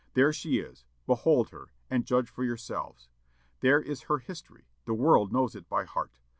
There she is behold her, and judge for yourselves. There is her history: the world knows it by heart.